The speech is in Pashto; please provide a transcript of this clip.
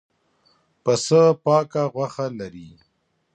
پسه پاکه غوښه لري.